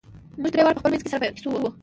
موږ درې واړه په خپل منځ کې سره په کیسو وو.